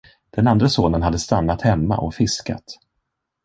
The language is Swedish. Den andre sonen hade stannat hemma och fiskat.